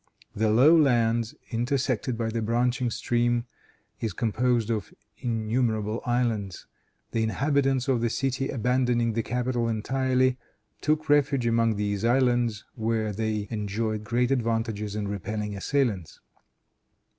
The low lands, intersected by the branching stream, is composed of innumerable islands. The inhabitants of the city, abandoning the capital entirely, took refuge among these islands, where they enjoyed great advantages in repelling assailants.